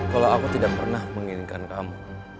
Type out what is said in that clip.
kalau aku tidak pernah menginginkan kamu